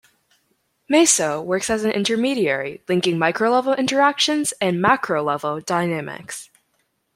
Meso works as an intermediary linking micro-level interactions and macro-level dynamics.